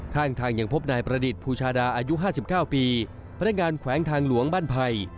ข้างทางยังพบนายประดิษฐ์ภูชาดาอายุ๕๙ปีพนักงานแขวงทางหลวงบ้านไผ่